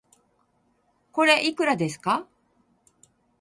これ、いくらですか